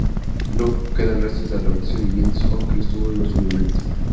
No quedan restos de habitaciones o viviendas, aunque las tuvo en su momento.